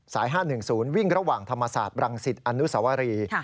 ๕๑๐วิ่งระหว่างธรรมศาสตร์บรังสิตอนุสวรี